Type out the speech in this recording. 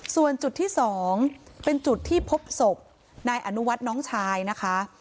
ส่วนจุดที่๒เป็นจุดที่พบศพนายอนุวัฒน์น้องชายนะคะ